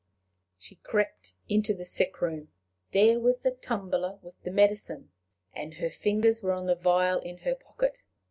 She crept into the sick room. There was the tumbler with the medicine! and her fingers were on the vial in her pocket.